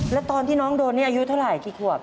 แล้วตอนที่น้องโดนนี่อายุเท่าไหร่กี่ขวบ